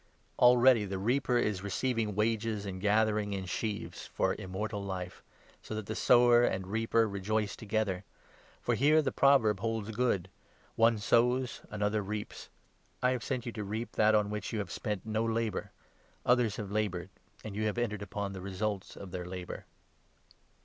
Already the reaper is 36 receiving wages and gathering in sheaves for Immortal Life, so that sower and reaper rejoice together. For here the 37 proverb holds good — 'One sows, another reaps.' I have 38 sent you to reap that on which you have spent no labour ; others have laboured, and you have entered upon the results of their labour."